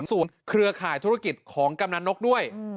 เครือข่ายธุรกิจของกำนันนกด้วย